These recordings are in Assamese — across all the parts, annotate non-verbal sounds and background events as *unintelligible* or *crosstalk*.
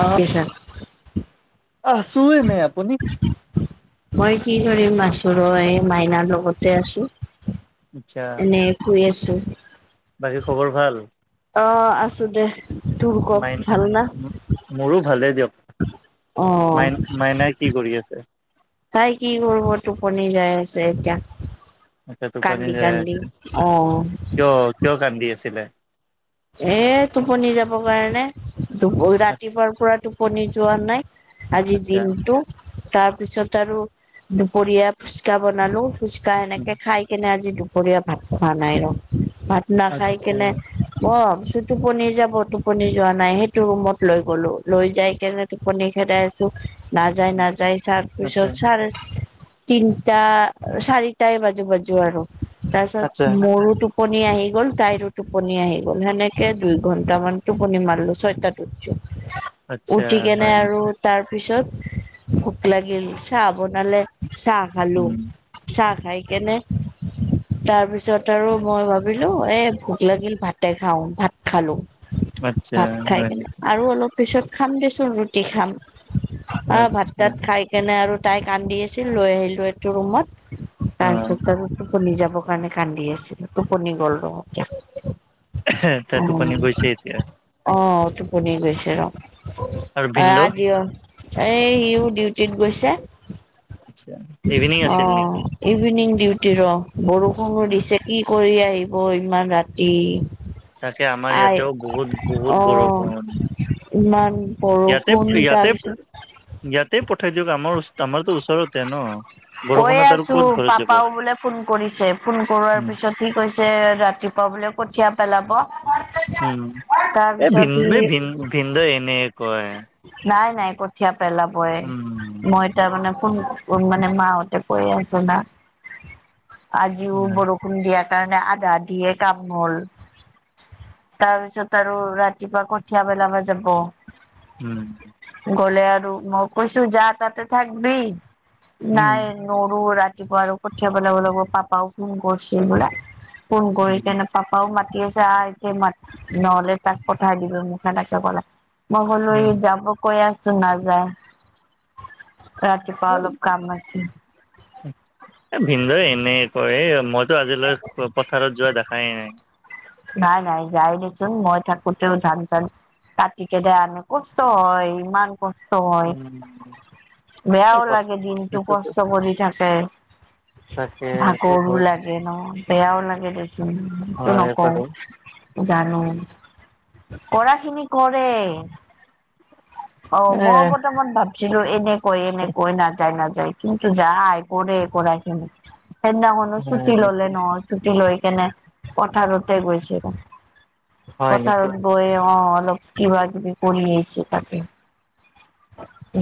অ, পেছা আহছোঁ এনে আপুনি? মই কি কৰিম আছো ৰবা মাইনাৰ লগতে আছো। আচ্ছা এনে শুই আছোঁ। বাকী খবৰ ভাল? অ, আছোঁ দে। তোৰ ক মাইন ভাল না? মোৰো ভালে দিয়ক অ', মাইন-মাইনাই কি কৰি আছে? তাই কি কৰব টোপনি যাই আছে এতিয়া। আচ্ছা টোপনি যাই আছে কান্দি-কান্দি অ, কিয় কিয় কান্দি আছিলে? এ টোপনি যাবৰ কাৰণে দুপ আচ্ছা ৰাতিপুৱাৰ পৰা টোপনি যোৱা নাই। আজি আচ্ছা দিনটো তাৰপিছত আৰু দুপৰীয়া ফুচকা বনালোঁ। খুচকা উম, এনেকে খাই কেনে আজি দুপৰীয়া ভাত খোৱা নাই ৰ' ভাত নাখাই আচ্ছা কেনে অ, পিছে টোপনি যাব টোপনি যোৱা নাই সেইটো ৰুমত লৈ গলো লৈ যাই কেনে টোপনি খেদাই নাযায়- উম, নাযায় আচ্ছা ছাৰপিছত ছাৰে তিনিটা, চাৰিটাই বাজো-বাজো আৰু তাৰছত আচ্ছা মোৰো টোপ টোপনি আহি গ'ল তাইৰো টোপনি আহিল। গল সেনেকে দুই ঘন্টা মান টোপনি মাৰলোঁ ছয়টাত উঠচো। আচ্ছা হয় নেকি তাৰ পিছত ভোক লাগিল চাহ বনালে চাহ খালো উম চাহ খাই কেনে তাৰ পিছত আৰু মই ভাবিলো এ ভোক লাগিল ভাত তে খাওঁ ভাত খালো আচ্ছা ভাত খাই হয় কেনে নেকি আৰু অলপ পিছত খাম দেচোন ৰুটি খাম অ ভাত আচ্ছা তাত খাই কেনে আৰু তাই কান্দি আছিল লৈ আহিলো এইটো ৰুমত অ তাৰপিছত আৰু টোপনি যাবৰ কাৰণে কান্দি আছিল টোপনি গ'ল ৰ এ হে উ অ টোপনি গৈছে ৰ আৰু অ ভিনদেউ আজিঅ এ সিও ডিউটিত গৈছে আচ্ছা ইভিনিং অ আছিল নেকি ইভিনিং ডিউটি ৰ বৰষুণো দিছে কি কৰি আহিব ইমান ৰাতি তাকে আমাৰ আই ইয়াতেও বহুত বহুত অ বৰষুণ ইমান পৰ ইয়াতে ষুণ ইয়াতে তাৰপিছত ইয়াতে পঠাই দিয়ক আমাৰ আমাৰতো ওচৰতে ন কৈয়ে বৰষুণত আৰু আছো ক'ত ঘৰত যাব পাপাও বোলে ফোন কৰিছে ফোন কৰোৱাৰ উম পিছত সি কৈছে ৰাতিপুৱা বোলে কঠীয়া পেলাব উম এই তাৰপিছত ভিন্দ সি ভিন ভিনদেৱে এনেই কয় নাই নাই কঠিয়া পেলাবই উম মই তাৰ মানে ফোন মানে মা সতে কৈ আছ না আজিও বৰষু ষুন দিয়াৰ কাৰণে আধা আধিয়ে কাম হল তাৰপিছত আৰু ৰাতিপুৱা কঠিয়া বেলাব যাব উম গলে আৰু মই কৈছো যা তাতে থাকবি নাই নৰো ৰাতিপুৱা আৰু কঠিয়া পেলাব লাগিব পাপাও ফোন কৰিছিল বুলে ফোন কৰি উম কেনে পাপাও মাতি আছে আ এতিয়া মাত নহলে তাক পঠাই দিব মোক সেনেকে কলে মই হলো ই উম যাব কৈ আছো নাযায় ৰাতিপুৱা অলপ কাম আছে ভিনদেৱে এনেই কয় এই মইতো আজিলৈ পথাৰত যোৱা দেখাই নাই নাই নাই যাই দেচোন মই থাকোঁতেও ধান চান কতি কেনে আনে কষ্ট হয় ইমান কষ্ট হয় উম। বেয়াও লাগে দিনটো সেইটোতো কষ্ট কৰি থাকে। তাকে এইটো ভাগৰো হয় লাগে ন বেয়াও লাগে দেচোন। সেইটো হয়। নকওঁ বাৰু জানো কৰাখিনি কৰে অ এ মই বৰ্তমান ভাব ছিলো এনেকৈ এনেকৈ এনেকৈ নাযায় নাযায় কিন্তু যাই কৰে কৰাখিনি সেইদিনাখনো হয় ছুটি ললে নেকি নহয় ছুটি লৈ কেনে পথাৰতে গৈছিগে হয় পথাৰ নেকি গৈ অ অলপ কিবা কিবি কৰি আহিছে তাতে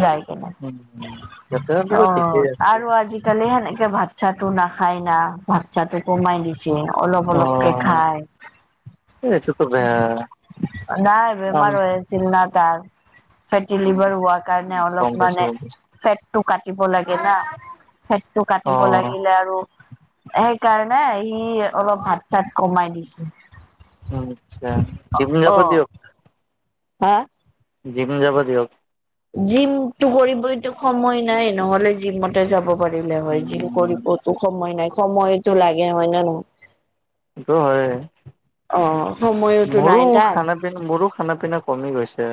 যায় কিনে উম সিহঁতৰ অ ঠিকেই আছে আৰু আজি কালি সেনেকে ভাত ছাটো নাখাই না ভাতছাটো কমাই দিছে অলপ অ অলপকে খাই। এইটোতো বেয়া নাই বেমাৰ হৈ আছিল না তাৰ। ফেটি লিভাৰ হোৱাৰ কাৰণে গম অলপ পাইছো মানে গম পাইছো ফেটটো কাটিব লাগে না। ফেটটো অ কাটিব লাগিলে আৰু। সেইকাৰণে সি অলপ ভাত চাত কমাই দিছে। আচ্ছা জিম যাব অ' দিয়ক। হা। জিম যাব দিয়ক। জিমটো কৰিবইতো সময় নাই নহলে জিমতে যাব পাৰিলে হয় জিম উম কৰিব। ওখময় নাই খময় এইটো লাগে হয় ন নহয়? এইটো হয়। অ সময়। মোৰো খানা পি মোৰো খানা পিনা কমি গৈছে,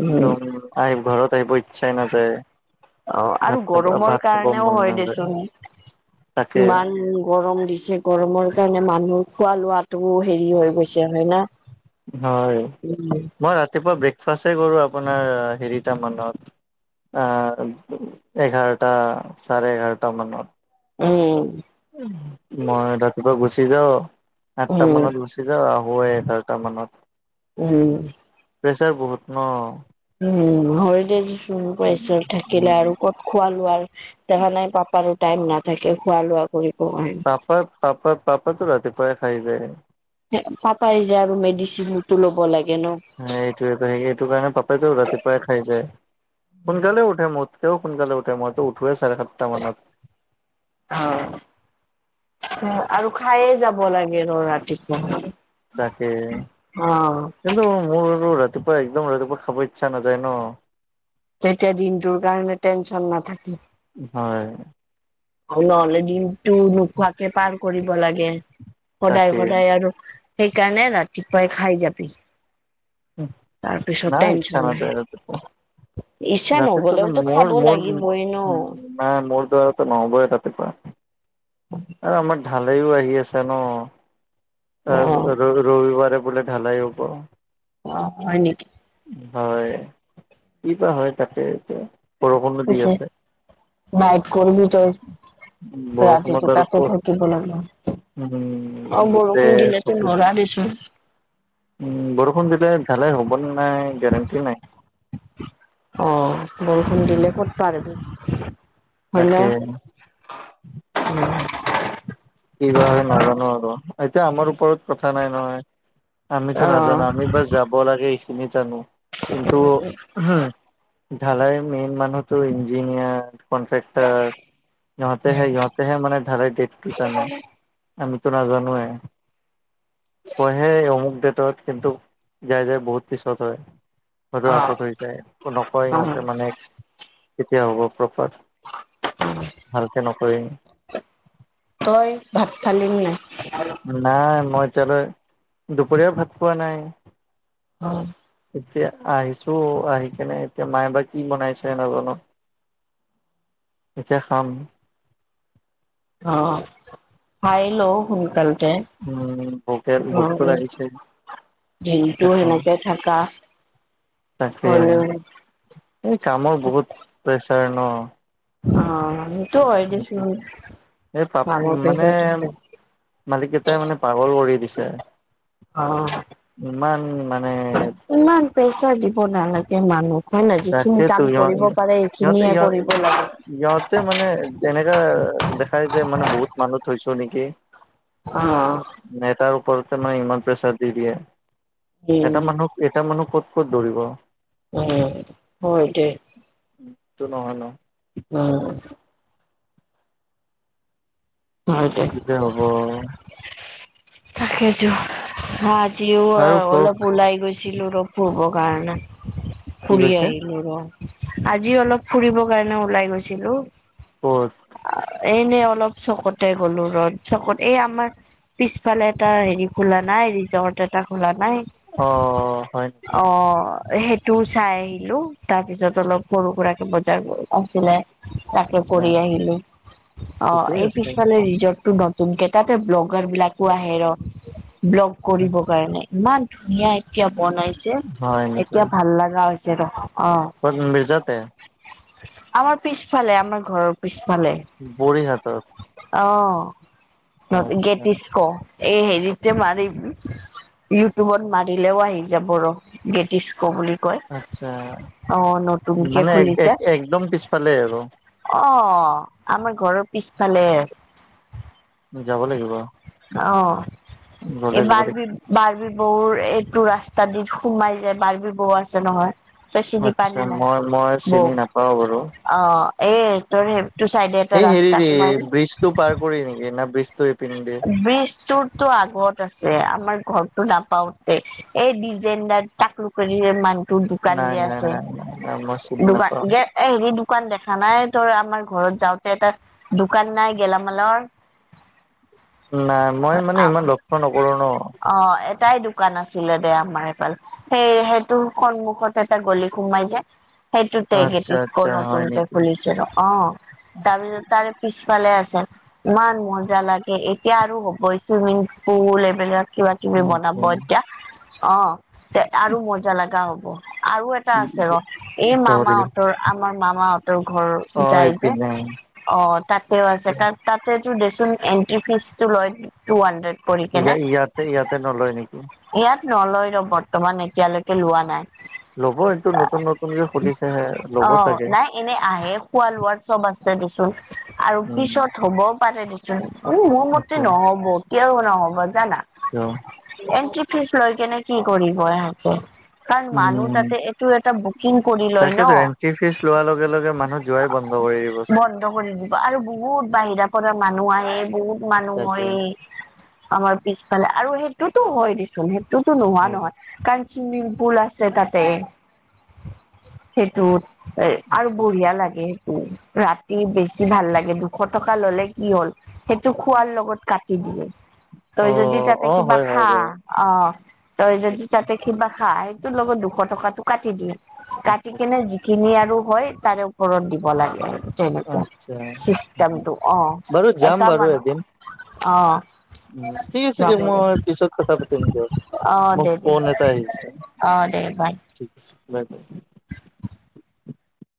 উম একদম। আই ঘৰত আহিবই। চাইনা যায়, অ আৰু ভাত খাব গৰমৰ ভাত খাব কাৰণেও মন হয় নাযায়। দেচোন তাকে ইমান গৰম দিছে। গৰমৰ কাৰণে মানুহৰ খোৱা লোৱাতটো হেৰি হৈ গৈছে হয় না? হয় উম মই ৰাতিপুৱা ব্ৰেকফাষ্টেই কৰোঁ আপোনাৰ হেৰিটামানত। আ এঘাৰটা চাৰে এঘাৰটা মানত। উম। মই ৰাতিপুৱা গুচি যাওঁ আঠটা উম মানত গুছ- যাওঁ আহো এঘাৰটা মানত। উহ। প্ৰেছাৰ বহুত ন। উম হয় দেচ চোন পাইছ থাকিলে আৰু ক'ত খোৱা লোৱাৰ দেখা নাই পাপাৰো টাইম নাথাকে খোৱা লোৱা কৰিব পাৰি আহি। পাপাত পাপাত পাপাতো ৰাতিপুৱাই খাই যায়। পাপাই যে আৰু মেডিচিনতটো ল'ব লাগে ন। হয় এইটোৱে ত এইটো কাৰণে পাপাইতো ৰাতিপুৱাই খাই যায়। সোনকালে উঠে মোতকেও সোনকালে উঠে মইতো উঠোৱেই চাৰে সাত। হয়। আৰু খায়ে যাব লাগে ৰ ৰাতিপুৱা। তাকে অ কিন্তু মোৰ আৰু ৰাতিপুৱা একদম ৰাতিপুৱা খাব ইচ্ছা নাযায় ন। তেতিয়া দিনটোৰ কাৰণে টেনচন নাথাকে। হয়। অ নহলে দিনটো নোখোৱাকে পাৰ কৰিব লাগে সদায় তাকে সদায় আৰু। সেইকাৰণে ৰাতিপুৱাই খাই যাবি। তাৰপিছত নাই ইচ্ছা টেনচন নাই। নাযায় ৰাতিপুৱা। ইচ্ছা ৰাতিপুৱাটো নগ'লেওতো মোৰ খাব মোৰ লাগিবই ন। উম নাই মোৰ দৰেটো নহবয়ে ৰাতিপুৱা। *inaudible* আৰু আমাৰ ঢালেইও আহি আছে ন, অ ৰাজ ৰ ৰবিবাৰে বোলে ঢালাই হব। অ হয় নেকি? হয় কি বা হয় তাকে এতিয়া। বৰষুণো দি পিছে আছে নাইট কৰিবি তই। বৰষুণত ৰাতিটো আৰু তাতে ক'ত থাকিব লাগে। উম তেজ অফিচ নৰা দেচোন বৰষুণ দিলে ভালেই হ'ব নাই গেৰেণ্টি নাই। অহ বৰষুণ উম দিলে ক'ত পাৰিবি। হয় ন? তাকে। অ কি হয় নাজানো আৰু এতিয়া আমাৰ ওপৰত কথা নাই নহয়। আমিতো অ নাজানো আমি বা যাব লাগে এইখিনি জানো কিন্তু হুম ঢালাই মেইন মানুহটো ইঞ্জিনিয়াৰ, কনট্ৰেক্টাৰ। ইহঁতেহে ইহঁতেহে মানে ধালাই ডেটটো জানে, আমিতো নাজানোৱে। কয়হে অমুক ডেটত কিন্তু যায় যায় বহুত পিছত হয়। হৰু আগত হৈ যায়। একো নকয় অ সিহঁতে মানে কেতিয়া হ'ব প্ৰপাৰ। ভালকে নকয়ে। তই ভাত খালি নাই? নাই মই এতিয়ালৈ দুপৰীয়াও ভাত খোৱা নাই। অ। এতিয়া আহিছো আহি কেনে এতিয়া মায়ে বা কি বনাইছে নাজানো। এতিয়া খাম। অ খাই ল' সোনকাল। উম ভোকে ভোকটো লাগিছে। দিনটো এতিয়া খাম সেনেকে থাকা। তাকে হ'লেও এই কামৰ বহুত প্ৰেচাৰ ন। অ সেইটো হয় পিছে এই পাপ কামৰ মানে প্ৰেচাৰটো থাকে। মালিক কেইটাই মানে পাগল কৰি দিছে। অ ইমান মানে। প্ৰেচাৰ দিব নালাগে মানুহ হয় নাই যিখিনি তাকেতো কাম ইহ কৰিব পাৰে সেইখিনিয়ে কৰিব লাগে। সিহঁতে মানে এনেকা দেখাই যে মানে বহুত মানুহ থৈছো নেকি। অ এটাৰ ওপৰতে মানে ইমান প্ৰেছাৰ দি দিয়ে। উম, এটা মানুহক এটা মানুহ ক'ত ক'ত দৌৰিব। উম হয় এইটোৱে। এটো নহয় ন। উম। হয় দে কি যে হ'ব তাকে টো যিও আৰু কওক অলপ ওলাই গৈছিলোঁ অলপ ফোৰব কাৰণে। কি ফুৰি কৈছে আহিলো ৰ। আজি অলপ ফুৰিব কাৰণে ওলাই গৈছিলোঁ। কত? এনেই অলপ চকতে গলো ৰদ চকত। এই আমাৰ- পিছফালে এটা হেৰি খোলা নাই, ৰিজৰ্ট এটা খোলা নাই। অ হয়। অ সেইটোও চাই আহিলো তাৰপিছত অলপ সৰু সুৰাকে বজাৰ আছিলে। তাকে আচ্ছা কৰি আহিলো অ ঠিকেই এই- আছে পিছফালে ৰিজৰ্টটো নতুন কে তাতে ব্লগাৰবিলাকো আহে ৰ, ব্লগ কৰিব কাৰণে ইমান ধুনীয়া এতিয়া বনাইছে হয় নেকি এতিয়া ভাল লগা- হৈছে ৰ' অ। ক'ত ব্ৰিজটে। আমাৰ পিছফালে, আমাৰ ঘৰৰ পিছফালে। বঢ়ী হাতত। অ নট আচ্ছা গেটিস্ক এই হেৰিতে মাৰিম। ইউটিউবত মাৰিলেও আহি যাব ৰ গেটিস্ক বুলি কৈ আচ্ছা অহ নতুনকে মানে এক খুলিছে। একদম পিছফালে আৰু অ আমাৰ ঘৰৰ পিছফালে। যাব লাগিব। অ গ'লে যাব এইবাৰ লাগিব - বাৰ্বি বৌ এইটো ৰাস্তা দিত সোমাই যায় বাৰ্বি বৌ আছে নহয়। তই চিনি পাই আচ্ছা নে নাই মই মই চিনি বৌক নাপাও বাৰু অ এই তোৰ -তোৰ চাইডে এটা ৰাস্ত- হেৰি এই ব্ৰিজটো পাৰ কৰি নেকি না ব্ৰিজটো এইপিনে দি? ব্ৰিজটো তোৰ আগত আছে, আমাৰ ঘৰটো নাপাওতে। এই ডিজাইদাৰ, তাকলু কৰি মানুহ- টো দোকান নাই যে নাই আছে। নাই নাই নাই মই চিনি নাপাওঁ দোকান গে এই হেৰি দোকান দেখা নাই তই আমাৰ ঘৰত যাওঁতে, এটা দোকান নাই গেলামালৰ। নাই, মই মানে ইমান লক্ষ্য নকৰোঁ ন। অ, এটাই দোকান আছিলে দে আমাৰ এইফাল সেই- সেইটো সন্মুখত এটা গলি সোমাই যে সেটোতেই আচ্ছা গেটিচক আচ্ছা হয় নতুনকে নেকি খুলিছে ন' অ, তাৰপিছত তাৰে পিছফালে আছে ইমান মজা লাগে। এ এতিয়া আৰু হবই চুইমিং পুল এইবিলাক কিবা-কিবি বনাব এতিয়া অ, এ আৰু মজা লগা হ'ব আৰু এটা আছে ৰ' এই মামাহঁতৰ আমাৰ মামাহঁতৰ ঘৰ অ যাই যে এইপিনে অ, তাতেও আছে কাৰণ তাতেতো দেচোন এণ্ট্ৰি ফিজটো লয় টু হানড্ৰেড ইয়া পঢ়িকিনে। ইয়াতে ইয়াতে নলয় নেকি ইয়াত নলয় ৰ' বৰ্তমান এতিয়ালৈকে লোৱা নাই। ল'ব এইটো নতুন-নতুনকে খুলিছেহে ল'ব চাগে। এনেই আহে খোৱা লোৱা চব আছে দে চোন আৰু উম পিছত হবও পাৰে দিচোন। উম, মোৰ মতে আচ্ছা নহ'ব কিয়ও ন'হব জানা কিয়? এণ্ট্ৰি ফিজ লৈ কিনে কি কৰিব এহেতে কাৰণ মানুহ তাতে এইটোৰ এটা বুক বুকিং কৰি লয় ন তাকেটো এন্ট্ৰি ফিজ লোৱাৰ লগে-লগে মানুহে যোৱাই বন্ধ কৰি দিবচোন। বন্ধ কৰি দিব আৰু বহুত বাহিৰা পৰা মানুহ আহে বহুত মানুহ তাকে হয়। আমাৰ পিছফালে আৰু সেইটোতো হয় দেচোন সেইটোতো নোহোৱা হয় নহয়। কাৰণ চুইমিংপুল আছে তাতে সেইটোত। এই আৰু আচ্ছা বঢ়িয়া আচ্ছা লাগে। উম, ৰাতি বেছি ভাল লাগে দুশ টকা ল'লে কি হ'ল সেইটো খোৱাৰ লগত কাটি দিয়ে অ তই যদি তাতে অ কিবা হয় হয় খা বাৰু অ, তই যদি তাতে কিবা খা সেইটো লগত দুশ টকাটো কাটি দিয়ে। কাটি আচ্ছা কিনে যিখিনি আৰু হয় তাৰে ওপৰত দিব লাগে আৰু তেনেকুৱা আচ্ছা চিষ্টেমটো অ, বাৰু যাম *unintelligible* অ, উম, ঠিক আছে যাব দিয়ক লাগে মই পিছত কথা পাতিম দিয়ক অ মোৰ দে দে ফোন এটা আহিছে। অ, দে বাই। ঠিক আছে বাই-বাই।